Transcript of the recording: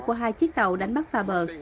của hai chiếc tàu đánh bắt xa bờ